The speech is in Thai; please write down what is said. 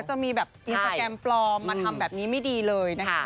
จะมีแบบอินสตราแกรมปลอมมาทำแบบนี้ไม่ดีเลยนะคะ